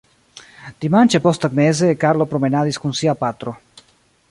Dimanĉe posttagmeze Karlo promenadis kun sia patro.